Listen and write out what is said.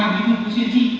mấy phút cũng xuyên chi